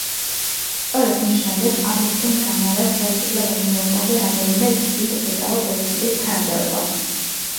სწორედ მის შემდეგ, აგუსტინ გამარას ხელისუფლებაში მოსვლამდე რამდენიმე თვით ეკავა პრეზიდენტის თანამდებობა.